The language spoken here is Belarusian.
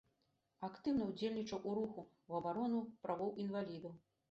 Актыўна ўдзельнічаў у руху ў абарону правоў інвалідаў.